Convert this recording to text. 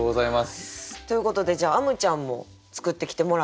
ということでじゃああむちゃんも作ってきてもらった？